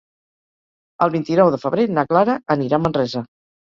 El vint-i-nou de febrer na Clara anirà a Manresa.